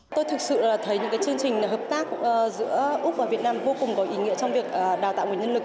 tôi thực sự thấy những chương trình hợp tác giữa úc và việt nam vô cùng có ý nghĩa trong việc đào tạo nguồn nhân lực